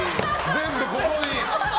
全部ここに。